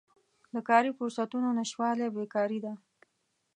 د کاري فرصتونو نشتوالی بیکاري ده.